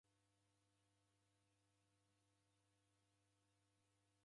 Oka na madedo gha kisha.